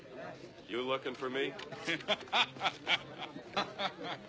ハッハハハ！